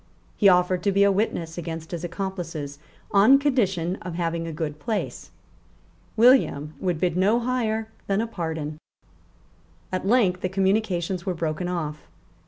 He offered to be a witness against his accomplices on condition of having a good place. William would bid no higher than a pardon. At length the communications were broken off.